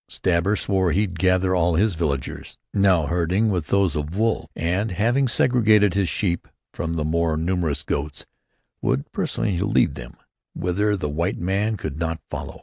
Stabber swore he'd gather all his villagers, now herding with those of Wolf; and, having segregated his sheep from the more numerous goats, would personally lead them whither the white man could not follow.